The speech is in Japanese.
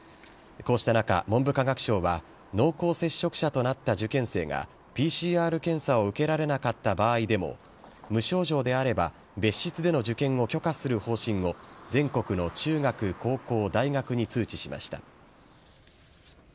こうした中、文部科学省は、濃厚接触者となった受験生がＰＣＲ検査を受けられなかった場合でも、無症状であれば別室での受験を許可する方針を、全国の中学、高校、大学に通知しました。